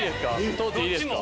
通っていいですか？